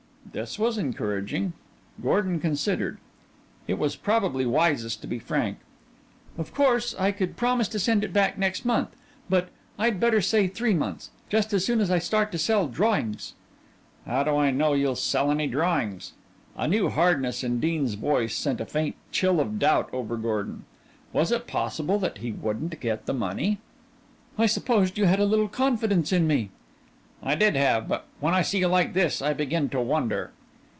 This was encouraging. Gordon considered. It was probably wisest to be frank. "Of course, I could promise to send it back next month, but I'd better say three months. Just as soon as I start to sell drawings." "How do I know you'll sell any drawings?" A new hardness in Dean's voice sent a faint chill of doubt over Gordon. Was it possible that he wouldn't get the money? "I supposed you had a little confidence in me." "I did have but when I see you like this I begin to wonder."